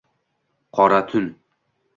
qora tun